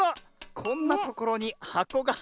こんなところにはこが！